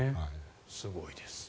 すごいですね。